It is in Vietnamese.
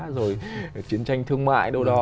rồi chiến tranh thương mại đồ đó